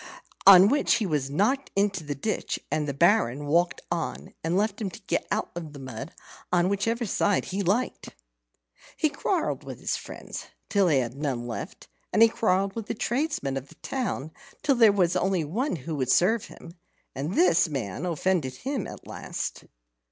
On which he was knocked into the ditch; and the Baron walked on, and left him to get out of the mud on whichever side he liked. He quarrelled with his friends till he had none left, and he quarrelled with the tradesmen of the town till there was only one who would serve him, and this man offended him at last.